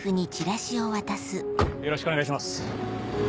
よろしくお願いします。